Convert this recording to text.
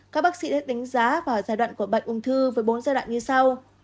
các bác sĩ đã đánh giá vào giai đoạn của bệnh ung thư với bốn giai đoạn như sau